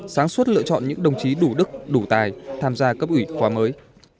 sáng suốt lựa chọn những đồng chí đủ đức đủ tài tham gia cấp ủy khoa mới